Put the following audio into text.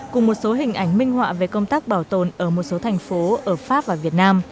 cùng một số hình ảnh minh họa về công tác bảo tồn ở một số thành phố ở pháp và việt nam